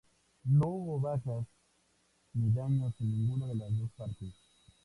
No hubo bajas ni daños en ninguna de las dos partes.